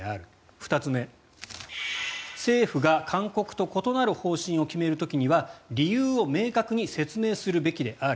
２つ目、政府が勧告と異なる方針を決める時には理由を明確に説明するべきである。